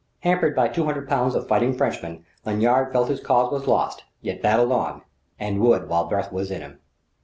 Hampered by two hundred pounds of fighting Frenchman, Lanyard felt his cause was lost, yet battled on and would while breath was in him.